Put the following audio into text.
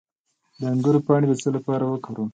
د انګور پاڼې د څه لپاره وکاروم؟